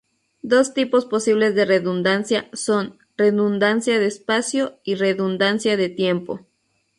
Dos tipos posibles de redundancia son: redundancia de espacio y redundancia de tiempo.